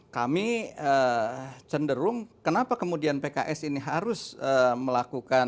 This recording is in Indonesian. kami cenderung kenapa kemudian pks ini harus melakukan